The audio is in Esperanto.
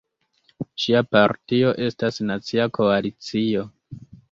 Ŝia partio estas Nacia Koalicio.